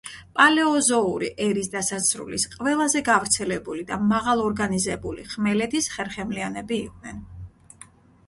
პალეოზოური ერის დასასრულის ყველაზე გავრცელებული და მაღალორგანიზებული ხმელეთის ხერხემლიანები იყვნენ.